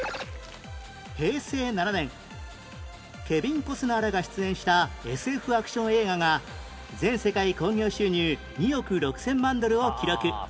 平成７年ケビン・コスナーらが出演した ＳＦ アクション映画が全世界興行収入２億６０００万ドルを記録